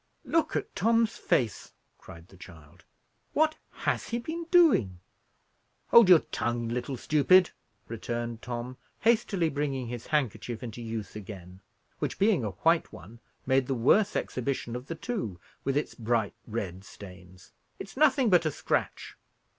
"Look at Tom's face!" cried the child. "What has he been doing?" "Hold your tongue, little stupid," returned Tom, hastily bringing his handkerchief into use again; which, being a white one, made the worse exhibition of the two, with its bright red stains. "It's nothing but a scratch."